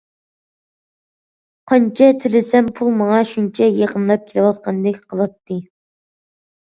قانچە تىلىسەم پۇل ماڭا شۇنچە يېقىنلاپ كېلىۋاتقاندەك قىلاتتى.